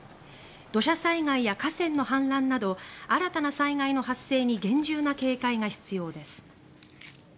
土砂災害や河川の氾濫など新たな災害の発生に厳重な警戒が必要です。